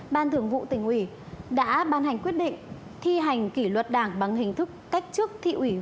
ban thường vụ tỉnh ủy đã ban hành quyết định thi hành kỷ luật đảng bằng hình thức cách chức thị ủy